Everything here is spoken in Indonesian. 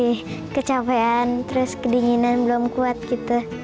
masih kecapean terus kedinginan belum kuat gitu